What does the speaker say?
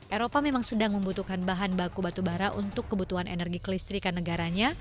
eropa memang sedang membutuhkan bahan baku batubara untuk kebutuhan energi kelistrikan negaranya